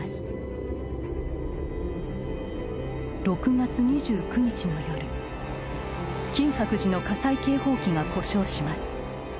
６月２９日の夜金閣寺の火災警報器が故障します